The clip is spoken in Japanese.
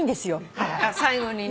最後にね。